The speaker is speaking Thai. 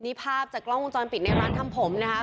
นี่ภาพจากกล้องวงจรปิดในร้านทำผมนะคะ